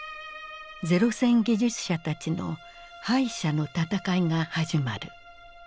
零戦技術者たちの敗者の戦いが始まる。